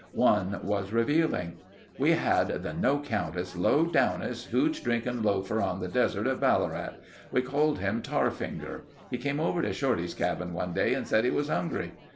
One was revealing: "We had the no 'countest, low downest hooch drinking loafer on the desert at Ballarat. We called him Tarfinger. He came over to Shorty's cabin one day and said he was hungry.